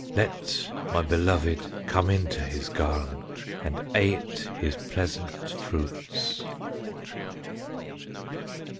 Let my beloved come into his garn, an ait his pleasant fruits.